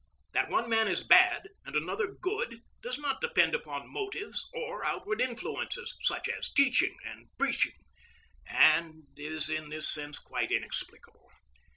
That one man is bad and another good, does not depend upon motives or outward influences, such as teaching and preaching, and is in this sense quite inexplicable.